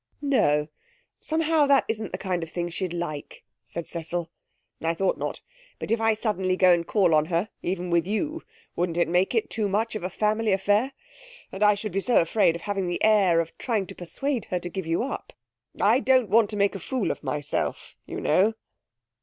'No. Somehow that isn't the kind of thing she'd like,' said Cecil. 'I thought not. But if I suddenly go and call on her, even with you, wouldn't it make it too much of a family affair? And I should be so afraid of having the air of trying to persuade her to give you up. I don't want to make a fool of myself, you know.'